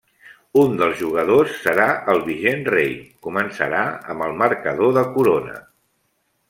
Un dels jugadors serà el vigent rei, començarà amb el marcador de corona.